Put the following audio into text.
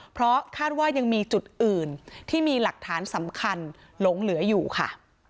เพราะคาดว่ายังมีจุดอื่นที่มีหลักฐานสำคัญหลงเหลืออยู่ค่ะ